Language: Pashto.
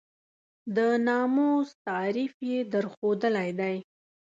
د ناموس تعریف یې درښودلی دی.